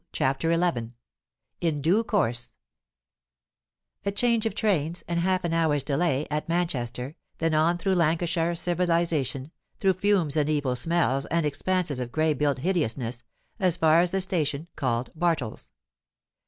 CHAPTER XI IN DUE COURSE A change of trains, and half an hour's delay, at Manchester, then on through Lancashire civilization, through fumes and evil smells and expanses of grey built hideousness, as far as the station called Bartles.